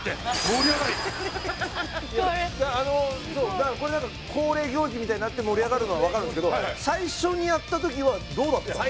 だからこれ恒例行事みたいになって盛り上がるのはわかるんですけど最初にやった時はどうだったんですか？